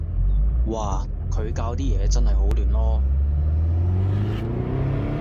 嘩，佢校啲嘢真係好亂囉